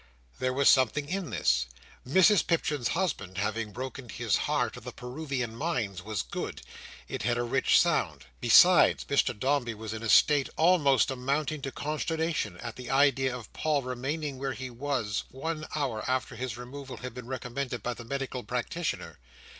There was something in this. Mrs Pipchin's husband having broken his heart of the Peruvian mines was good. It had a rich sound. Besides, Mr Dombey was in a state almost amounting to consternation at the idea of Paul remaining where he was one hour after his removal had been recommended by the medical practitioner.